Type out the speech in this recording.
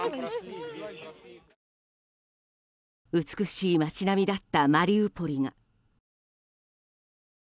美しい街並みだったマリウポリが。